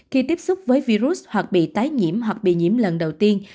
khi tiếp xúc với virus hoặc bị tái nhiễm hoặc bị nhiễm lần đầu tiên